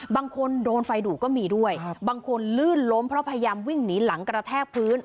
บางคนโดนไฟดูดก็มีด้วยบางคนลื่นล้มเพราะพยายามวิ่งหนีหลังกระแทกพื้น